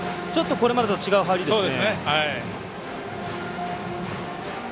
これまでと違う入りですね。